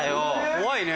怖いね。